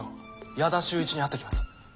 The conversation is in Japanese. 矢田秀一に会ってきます。